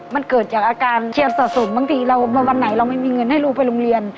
มันเกิดจากอาการเครียดสะสมบางทีวันไหนเราไม่มีเงินให้ลูกไปโรงเรียน